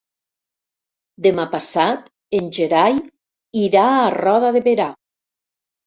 Demà passat en Gerai irà a Roda de Berà.